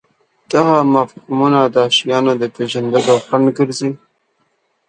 دغه مفهومونه د شیانو د پېژندلو خنډ ګرځي.